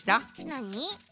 なに？